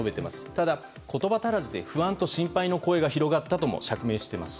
ただ、言葉足らずで不安と心配の声が広がったとも釈明してます。